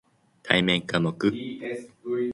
対面科目